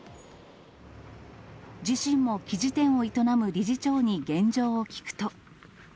自身も生地店を営む理事長に現状を聞くと。